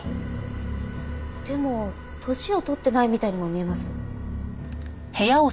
でも年を取ってないみたいにも見えます。